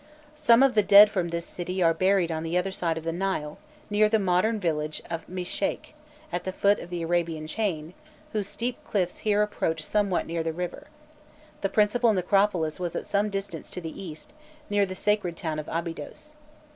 Some of the dead from this city are buried on the other side of the Nile, near the modern village of Mesheikh, at the foot of the Arabian chain, whose steep cliffs here approach somewhat near the river: the principal necropolis was at some distance to the east, near the sacred town of Abydos.